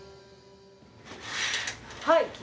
はい。